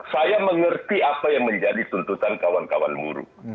saya mengerti apa yang menjadi tuntutan kawan kawan buruh